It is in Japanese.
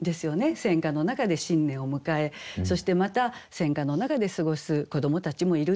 戦火の中で新年を迎えそしてまた戦火の中で過ごす子どもたちもいると。